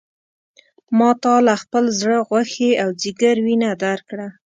ما تا له خپل زړه غوښې او ځیګر وینه درکړه.